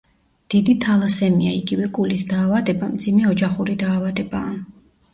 დიდი თალასემია, იგივე კულის დაავადება, მძიმე ოჯახური დაავადებაა.